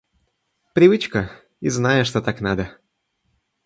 Привычка, и знаешь, что так надо.